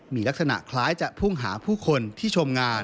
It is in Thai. มีลักษณะคล้ายจะพุ่งหาผู้คนที่ชมงาน